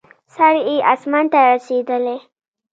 سر یې اسمان ته رسېدلی.